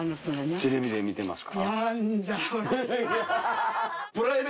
テレビで見てますか？